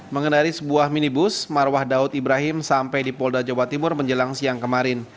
mengendari sebuah minibus marwah daud ibrahim sampai di polda jawa timur menjelang siang kemarin